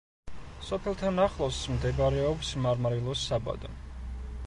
სოფელთან ახლოს მდებარეობს მარმარილოს საბადო.